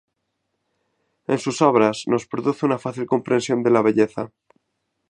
En sus obras… nos produce una fácil comprensión de la belleza.